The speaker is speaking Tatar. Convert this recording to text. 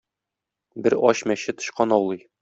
Бер ач мәче тычкан аулый